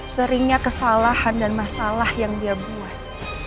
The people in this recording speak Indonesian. seringnya kesalahan dan masalah yang dia buat